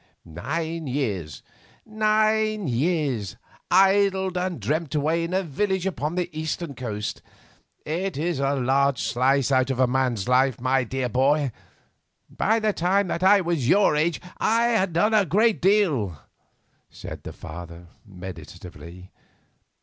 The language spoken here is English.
"Nine years, nine wasted years, idled and dreamt away in a village upon the eastern coast. It is a large slice out of a man's life, my boy. By the time that I was your age I had done a good deal," said his father, meditatively.